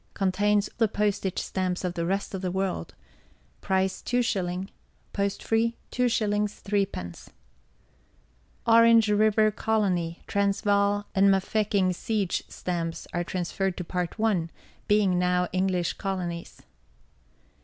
contains the POSTAGE STAMPS OF THE REST OF THE WORLD. Price 2/ ; post free, 2/3. Orange River Colony, Transvaal, and Mafeking Siege Stamps are transferred to Part I., being now English Colonies.